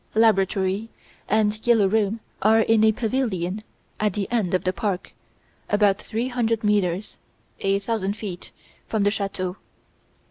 Laboratory and "Yellow Room" are in a pavilion at the end of the park, about three hundred metres (a thousand feet) from the chateau.